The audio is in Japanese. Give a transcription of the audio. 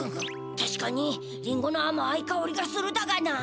たしかにリンゴのあまいかおりがするだがな。